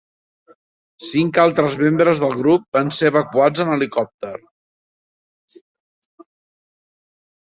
Cinc altres membres del grup van ser evacuats en helicòpter.